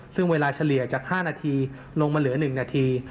ซึ่งเวลาเฉลี่ยจาก๕นาทีลงมาเหลือ๑นาที